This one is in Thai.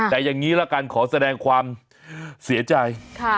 แต่อย่างนี้ละกันขอแสดงความเสียใจ